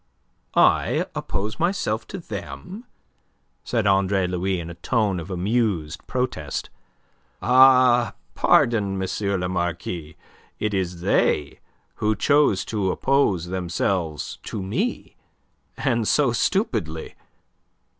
"I oppose myself to them!" said Andre Louis on a tone of amused protest. "Ah, pardon, M. le Marquis; it is they who chose to oppose themselves to me and so stupidly.